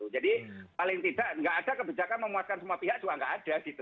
jadi paling tidak nggak ada kebijakan memuaskan semua pihak juga nggak ada gitu